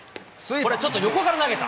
これちょっと横から投げた。